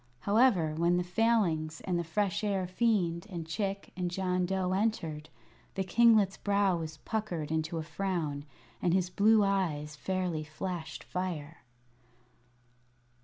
However, when the Failings and the Fresh Air Fiend and Chick and John Dough entered, the kinglet's brow was puckered into a frown, and his blue eyes fairly flashed fire.